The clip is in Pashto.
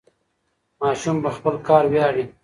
ماشوم په خپل کار ویاړي.